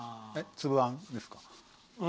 粒あんですか？